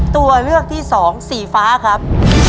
ตัวเลือกที่สองสีฟ้าครับ